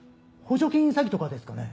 補助金詐欺とかですかね。